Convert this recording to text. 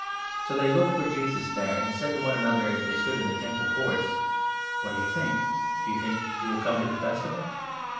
So they looked^ for Jesus there, and said 56 to one another, as they stood in the Temple Courts : "What do you think? Do you think he will come to the Festival